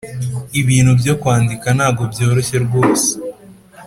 Ibintu byo kwandika ntago byoroshye rwose